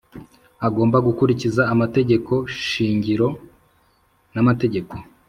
Agomba gukurikiza amategeko shingiro n’amategeko